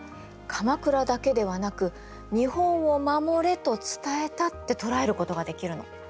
鎌倉だけではなく日本を守れと伝えたって捉えることができるの。